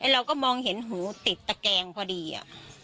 เราก็มองเห็นหูติดตะแกงพอดีอะ